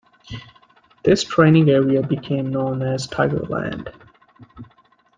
This training area became known as Tigerland.